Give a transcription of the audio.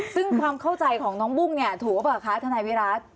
ซึ่งความเข้าใจของน้องบุ้งเนี่ยถูกหรือเปล่าคะทนายวิรัติ